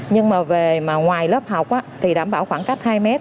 nhưng mà ngoài lớp học thì đảm bảo khoảng cách hai mét